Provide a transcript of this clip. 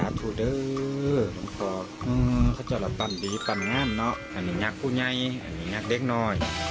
อันนี้นักพูนัยอันนี้นักเด็กน้อย